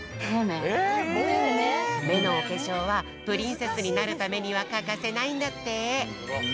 めのおけしょうはプリンセスになるためにはかかせないんだって。